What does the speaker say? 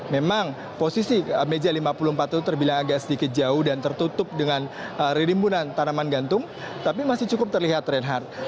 memang posisi meja lima puluh empat itu terbilang agak sedikit jauh dan tertutup dengan ririmbunan tanaman gantung tapi masih cukup terlihat reinhardt